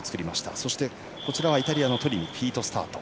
そして、イタリアのトリミはフィートスタート。